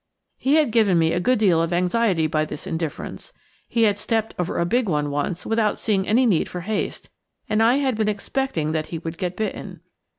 He had given me a good deal of anxiety by this indifference he had stepped over a big one once without seeing any need for haste and I had been expecting that he would get bitten.